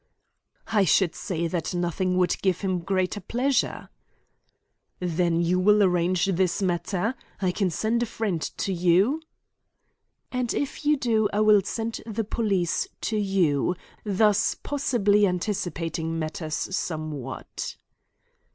"I should say that nothing would give him greater pleasure." "Then you will arrange this matter? I can send a friend to you?" "And if you do I will send the police to you, thus possibly anticipating matters somewhat."